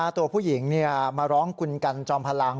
ตัวผู้หญิงมาร้องคุณกันจอมพลัง